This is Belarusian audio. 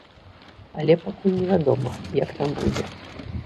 Але пакуль невядома, як там будзе.